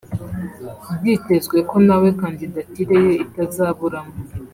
byitezwe ko nawe kandidatire ye itazaburamo